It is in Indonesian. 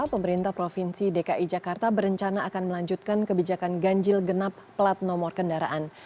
pemerintah provinsi dki jakarta berencana akan melanjutkan kebijakan ganjil genap plat nomor kendaraan